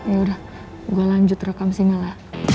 yaudah gue lanjut rekam single ya